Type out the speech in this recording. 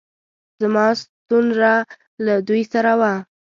زما ستونره له دوی سره وه